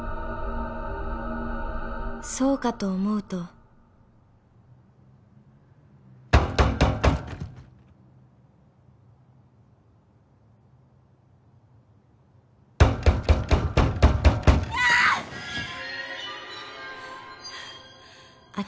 ［そうかと思うと］・・嫌！